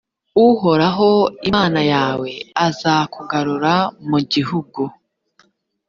uhoraho imana yawe azakugarura mu gihugu